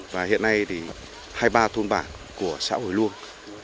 và hiện nay thì hai mươi ba thôn bản của xã hồi luông